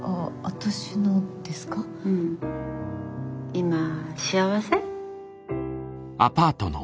今幸せ？